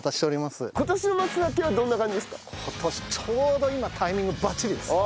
今年の松茸はどんな感じですか？